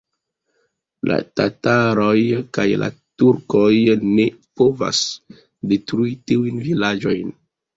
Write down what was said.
La tataroj kaj la turkoj ne povis detrui tiujn vilaĝojn.